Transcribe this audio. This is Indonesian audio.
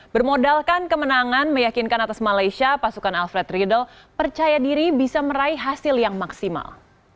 bermodalkan kemenangan meyakinkan atas malaysia pasukan alfred riedel percaya diri bisa meraih hasil yang maksimal